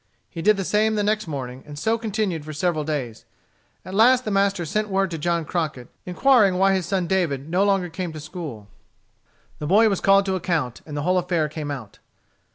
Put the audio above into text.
He did the same the next morning, and so continued for several days. At last the master sent word to John Crockett, inquiring why his son David no longer came to school. The boy was called to an account, and the whole affair came out.